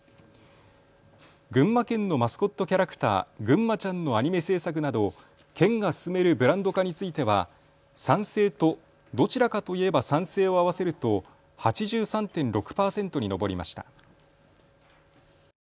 群馬県のマスコットキャラクター、ぐんまちゃんのアニメ制作など県が進めるブランド化については賛成とどちらかといえば賛成を合わせると８３．６％に上りました。